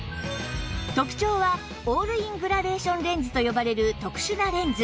特長はオールイングラデーションレンズと呼ばれる特殊なレンズ